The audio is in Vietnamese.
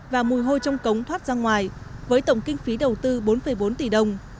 và mùi hôi trong cống thoát ra ngoài với tổng kinh phí đầu tư bốn bốn tỷ đồng